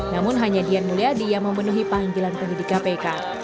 namun hanya dian mulyadi yang memenuhi panggilan penyidik kpk